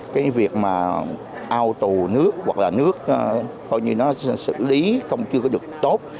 cái việc mà ao tù nước hoặc là nước coi như nó xử lý không chưa có được tốt